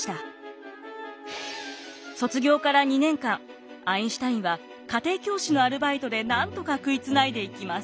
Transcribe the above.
卒業から２年間アインシュタインは家庭教師のアルバイトでなんとか食いつないでいきます。